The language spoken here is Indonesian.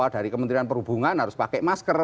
dari kementerian perhubungan harus pakai masker